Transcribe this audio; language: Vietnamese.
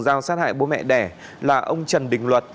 dao sát hại bố mẹ đẻ là ông trần đình luật